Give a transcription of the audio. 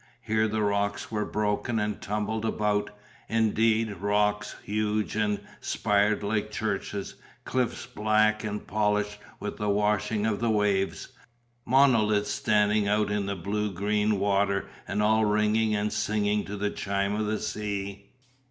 Here the rocks were broken and tumbled about, indeed, rocks, huge and spired like churches, cliffs black and polished with the washing of the waves, monoliths standing out in the blue green water and all ringing and singing to the chime of the sea.